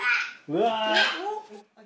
うわ。